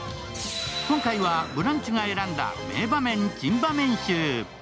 今回は「ブランチ」が選んだ名場面・珍場面集。